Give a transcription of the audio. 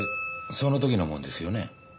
その時のもんですよね？